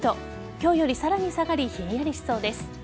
今日よりさらに下がりひんやりしそうです。